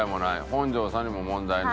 本条さんにも問題ない。